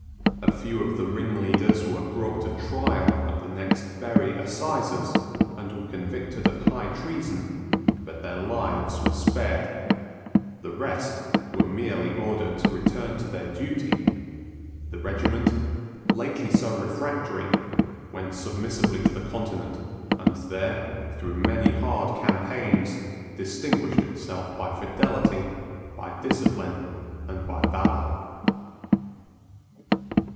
A few of the ringleaders were brought to trial at the next Bury assizes, and were convicted of high treason; but their lives were spared. The rest were merely ordered to return to their duty. The regiment, lately so refractory, went submissively to the Continent, and there, through many hard campaigns, distinguished itself by fidelity, by discipline, and by valour.